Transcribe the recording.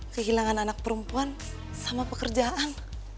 kehilangan anak perempuan sama pekerjaan